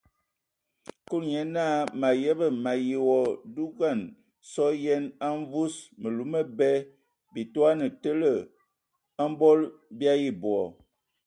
Kulu nye naa : mǝ ayəbǝ! mǝ ayi wa dugan sɔ yen a mvus mǝlu mǝbɛ, bii toane tele mbol bii ayi bɔ.